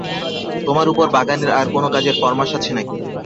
তোমার উপর বাগানের আর কোনো কাজের ফরমাশ আছে নাকি।